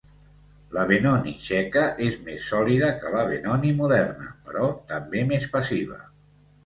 La Benoni txeca és més sòlida que la Benoni moderna, però també més passiva.